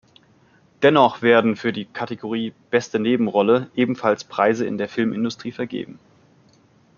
Dennoch werden für die Kategorie "Beste Nebenrolle" ebenfalls Preise in der Filmindustrie vergeben.